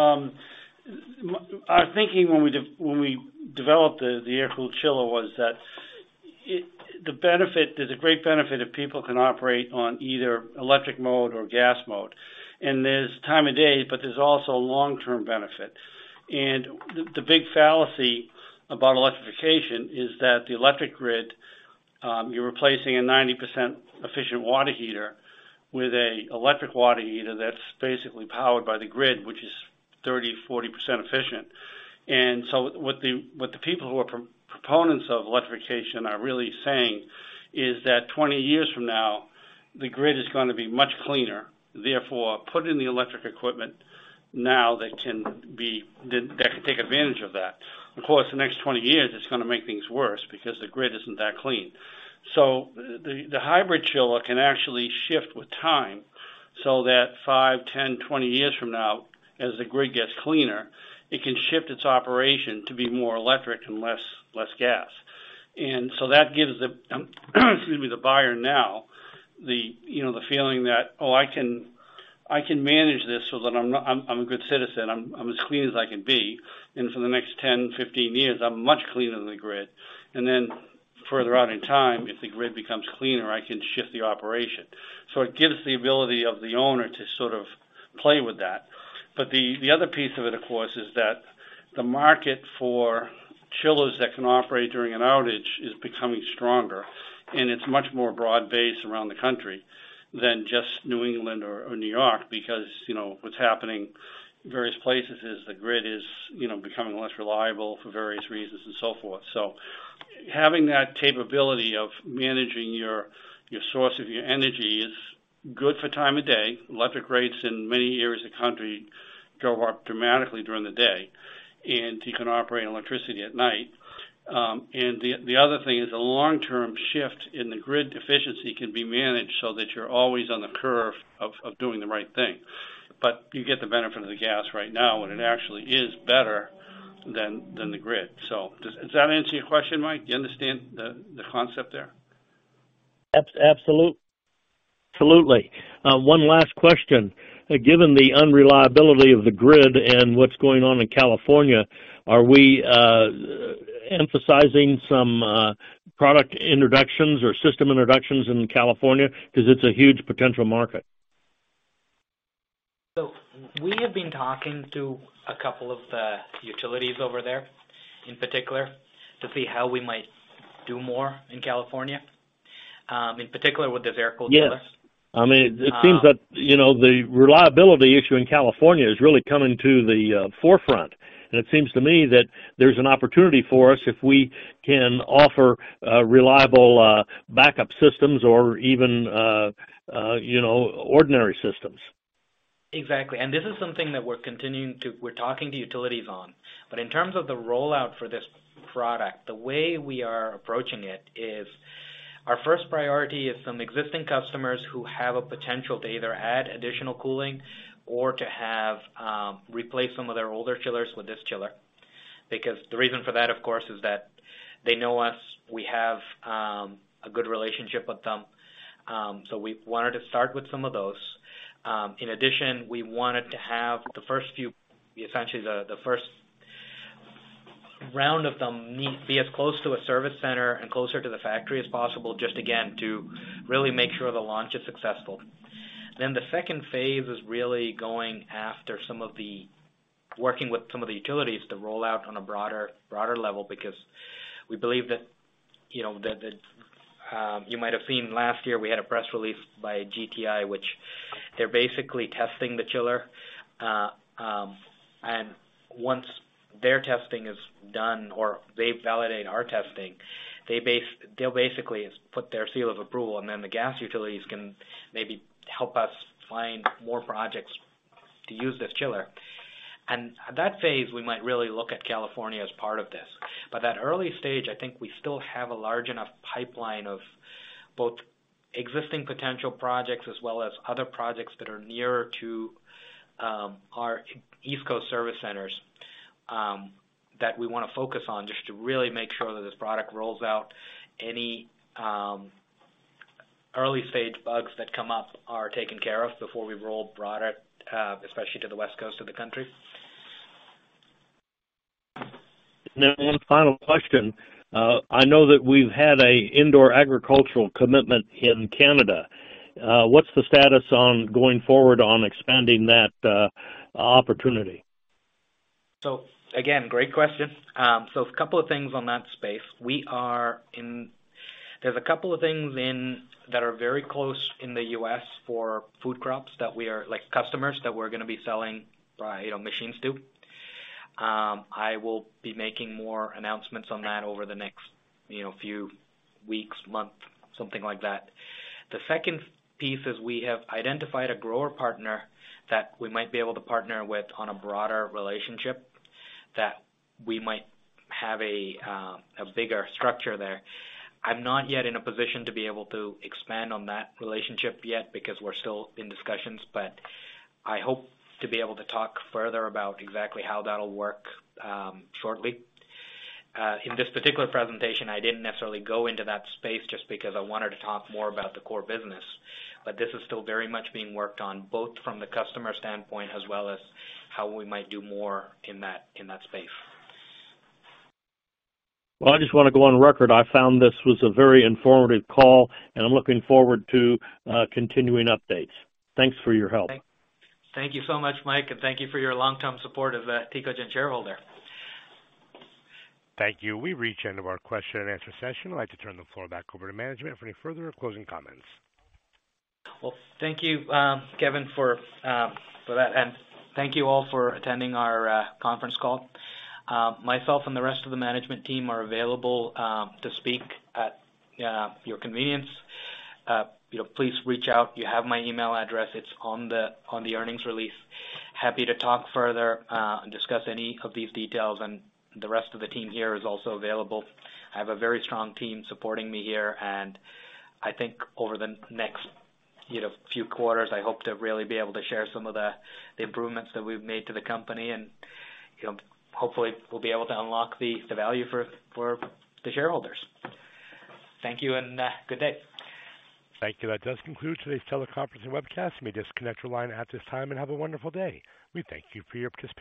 Our thinking when we developed the air-cooled chiller was that the benefit, there's a great benefit if people can operate on either electric mode or gas mode. There's time of day, but there's also long-term benefit. The big fallacy about electrification is that the electric grid, you're replacing a 90% efficient water heater with a electric water heater that's basically powered by the grid, which is 30%-40% efficient. What the people who are proponents of electrification are really saying is that 20 years from now, the grid is gonna be much cleaner, therefore put in the electric equipment now that can take advantage of that. Of course, the next 20 years, it's gonna make things worse because the grid isn't that clean. The hybrid chiller can actually shift with time so that five, 10, 20 years from now, as the grid gets cleaner, it can shift its operation to be more electric and less gas. That gives the, excuse me, the buyer now, you know, the feeling that, "Oh, I can manage this so that I'm a good citizen. I'm as clean as I can be. For the next 10, 15 years, I'm much cleaner than the grid." Then Further out in time, if the grid becomes cleaner, I can shift the operation. It gives the ability of the owner to sort of play with that. The, the other piece of it, of course, is that the market for chillers that can operate during an outage is becoming stronger, and it's much more broad-based around the country than just New England or New York. You know, what's happening in various places is the grid is, you know, becoming less reliable for various reasons and so forth. Having that capability of managing your source of your energy is good for time of day. Electric rates in many areas of the country go up dramatically during the day, and you can operate on electricity at night. The, the other thing is a long-term shift in the grid deficiency can be managed so that you're always on the curve of doing the right thing. You get the benefit of the gas right now, and it actually is better than the grid. Does that answer your question, Mike? Do you understand the concept there? Absolutely. One last question. Given the unreliability of the grid and what's going on in California, are we emphasizing some product introductions or system introductions in California? 'Cause it's a huge potential market. We have been talking to a couple of the utilities over there, in particular, to see how we might do more in California, in particular with this air-cooled chillers. Yes. I mean, it seems that, you know, the reliability issue in California is really coming to the forefront. It seems to me that there's an opportunity for us if we can offer reliable backup systems or even, you know, ordinary systems. Exactly. This is something that we're continuing we're talking to utilities on. But in terms of the rollout for this product, the way we are approaching it is our first priority is some existing customers who have a potential to either add additional cooling or to have, replace some of their older chillers with this chiller. Because the reason for that, of course, is that they know us. We have a good relationship with them. We wanted to start with some of those. In addition, we wanted to have the first few, essentially the first round of them be as close to a service center and closer to the factory as possible, just again, to really make sure the launch is successful. The second phase is really going after some of the working with some of the utilities to roll out on a broader level because we believe that, you know, that, you might have seen last year we had a press release by GTI, which they're basically testing the chiller. Once their testing is done or they validate our testing, they'll basically put their seal of approval, and then the gas utilities can maybe help us find more projects to use this chiller. At that phase, we might really look at California as part of this. At early stage, I think we still have a large enough pipeline of both existing potential projects, as well as other projects that are nearer to our East Coast service centers that we wanna focus on just to really make sure that this product rolls out any early stage bugs that come up are taken care of before we roll broader, especially to the West Coast of the country. Now, one final question. I know that we've had a indoor agricultural commitment in Canada. What's the status on going forward on expanding that opportunity? Again, great question. A couple of things on that space. There's a couple of things in that are very close in the U.S. for food crops that like customers that we're gonna be selling, you know, machines to. I will be making more announcements on that over the next, you know, few weeks, month, something like that. The second piece is we have identified a grower partner that we might be able to partner with on a broader relationship, that we might have a bigger structure there. I'm not yet in a position to be able to expand on that relationship yet because we're still in discussions, but I hope to be able to talk further about exactly how that'll work shortly. In this particular presentation, I didn't necessarily go into that space just because I wanted to talk more about the core business. This is still very much being worked on, both from the customer standpoint as well as how we might do more in that space. I just wanna go on record. I found this was a very informative call, and I'm looking forward to continuing updates. Thanks for your help. Thank you so much, Mike. Thank you for your long-term support of Tecogen shareholder. Thank you. We reach end of our question and answer session. I'd like to turn the floor back over to management for any further closing comments. Well, thank you, Kevin, for that. Thank you all for attending our conference call. Myself and the rest of the management team are available to speak at your convenience. You know, please reach out. You have my email address. It's on the earnings release. Happy to talk further and discuss any of these details. The rest of the team here is also available. I have a very strong team supporting me here, and I think over the next, you know, few quarters, I hope to really be able to share some of the improvements that we've made to the company and, you know, hopefully we'll be able to unlock the value for the shareholders. Thank you, and good day. Thank you. That does conclude today's teleconference and webcast. You may disconnect your line at this time, and have a wonderful day. We thank you for your participation.